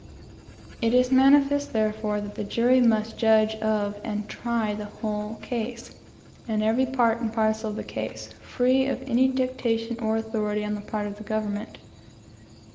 It is manifest, therefore, that the jury must judge of and try the whole case, and every part and parcel of the case, free of any dictation or authority on the part of the government.